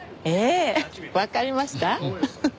ええ。わかりました？